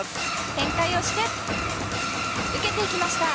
転回をして受けていきました。